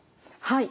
はい。